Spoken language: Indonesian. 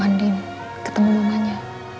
kali ketemu andin ketemu mamanya